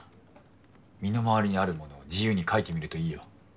身の回りにあるものを自由に描いてみるといいよ。